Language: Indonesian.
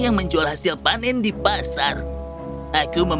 yang memberikanakan pedan kutub untuk anda pengalaman